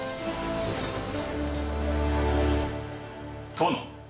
殿。